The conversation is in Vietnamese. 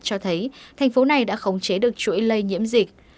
cho thấy thành phố này đã khống chế được chuỗi lây nhiễm dịch